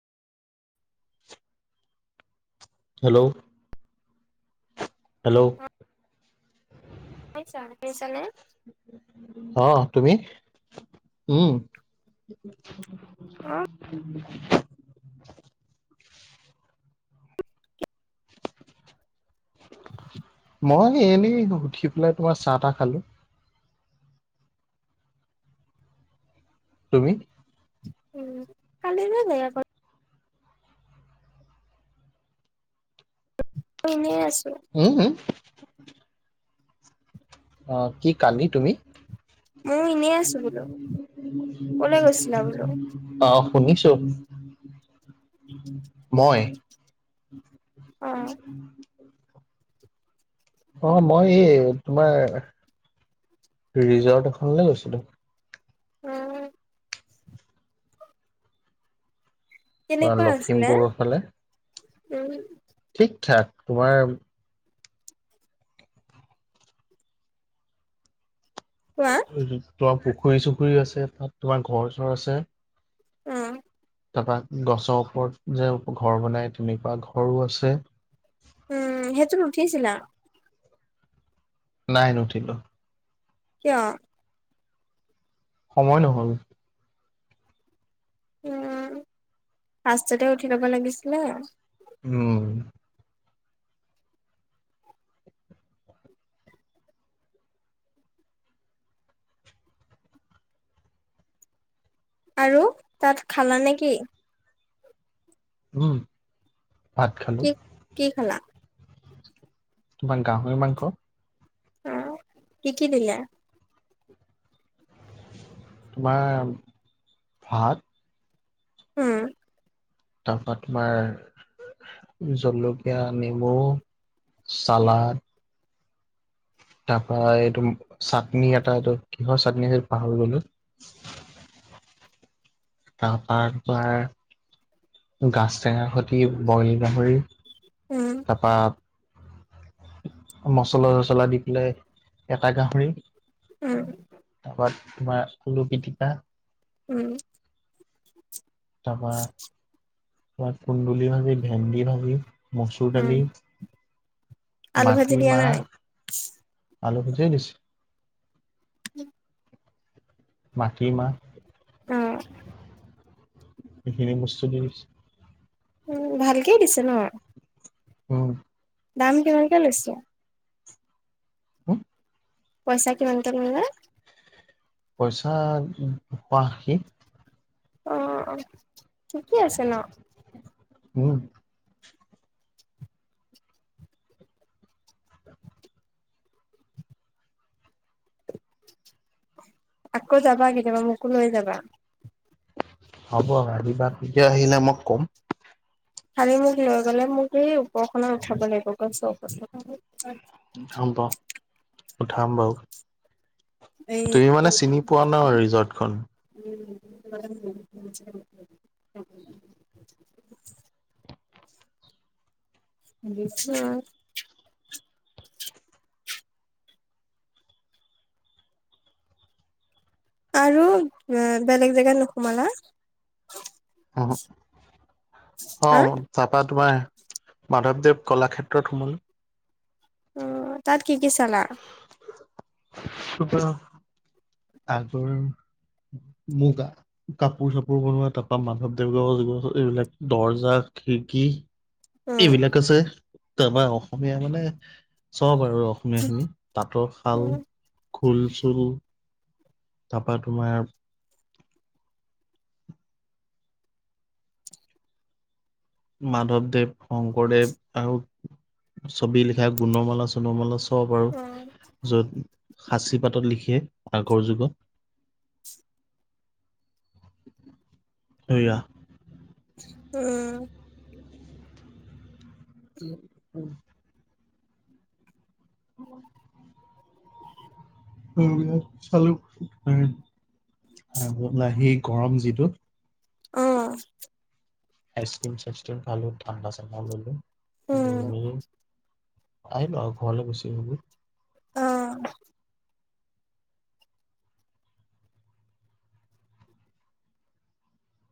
Hello hello পাইছা, শুনিছানে? অ তুমি? উম অ [inaudible] মই এনেই উঠি পেলাই তোমাৰ চাহ তাহ খালো। তুমি? উম কালি যে দেখা ক'ত অ' ইনেই আছোঁ। হু হু অ' কি কালি তুমি ময়ো এনেই আছো বোলো কলে গৈছিলা বোলো [unintelligible] অঁ শুনিছো, মই [unintelligible] ওঁ অঁ, মই এই তোমাৰ ৰিজৰ্ট এখনলে গৈছিলো। উম। তোমাৰ কেনেকুৱা আছিলে? লখিমপুৰৰ ফালে উম ঠিক ঠাক, তোমাৰ কোৱা তোমাৰ পুখুৰী চুখুৰীও আছে, তাত তোমাৰ ঘৰ চৰ আছে। উম। তাপা গছৰ ওপৰত যে ঘৰ বনাই তেনেকুৱা ঘৰো আছে। উম সেইটোত উঠিছিলা? নাই নুঠিলো। কিয়? সময় নহ'ল। উম ফাৰ্ষ্টতে উঠি ল'ব লাগিছিলে। উম। আৰু তাত খানা নে কি? উম ভাত খালো। কি কি খালা? তোমাৰ গাহই মাংস। অঁ কি কি দিলে? তোমাৰ ভাত। উম। তাৰপা তোমাৰ জলকীয়া, নেমু, চালাদ। তাৰপা এইটো চাটনি এটা, এইটো কিহৰ চাটনি আছিল পাহৰি গ'লো। তাৰপা তোমাৰ গাছ টেঙাৰ সৈতি বইল গাহৰি। উম তাৰপা মচলা-চছলা দি পেলাই এটা গাহৰি। উম। তাৰপা তোমাৰ আলু পিটিকা। উম। তাৰপা তোমাৰ কুন্দুলি ভাজি, ভেন্দি ভাজি, মচুৰ উম দালি, আলু ভাজি দিয়া নাই মাটিমাহ। আলু সেইটোৱে দিছে। [unintelligible] মাটি মাহ। অঁ এইখিনি বস্তু দি দিছে। উম ভালকে দিছে ন। উম দাম কিমানকে লৈছে [unintelligible] পইচা কিমানকে কমিলে পইচা উম এশ আষি অ অ ঠিকেই আছে ন। উম আকৌ যাবা কেতিয়াবা মোকো লৈ যাবা। হ'ব ৰাধিকা তেতিয়া আহিলে মই কম। খালি মোক লৈ গ'লে মোক সেই উপৰখনত উঠাব লাগিব কষ্ট মষ্ট কৰি উঠাম বাৰু উঠাম বাৰু। এই তুমি মানে চিনি পোৱা ন ৰিজৰ্ট খন। উম [unintelligible] বিশ্বাস পাৰো এ বেলেগ জেগাত নোসোমালে ওহো অ হা তাৰপৰা তোমাৰ মাধৱদেৱ কলাক্ষেত্ৰত সোমালোঁ উম তাত কি কি চালা [unintelligible] আগৰ, মুগা। কাপোৰ চাপোৰ বনোৱা তাৰ পৰা মাধৱ দেৱৰ যুগত এইবিলাক দৰ্জা, খিৰকী। উম এইবিলাক আছে তাৰপৰা অসমীয়া মানে চব আৰু অসমীয়াখিনি তাঁতৰ শাল খোল চুল তাৰপৰা তোমাৰ মাধৱদেৱ শংকৰদেৱ আৰু ছবি লিখা গুণমালা চুনমালা চব চাব পাৰো উম য'ত সাচি পাতত লিখে। আগৰ যুগত সেয়া উম উম উম। [unintelligible] আৰু ইয়াত চালোঁ উম আগৰ লাহি গৰম যিটো অ আইচক্ৰীম চাইচক্ৰীম খালোঁ ঠাণ্ডা চাণ্ডা ললোঁ উম এইবোৰ তেনেকেই আহিলো আও ঘৰলে গুচি আহিলো অ